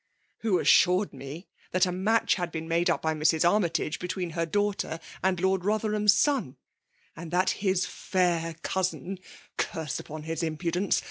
" Who assured me that a match had been made up by Mrs. Armytage betwe^ her daughter and Lord Rothcrhama son; and that his fair cousin (curse upon his impudence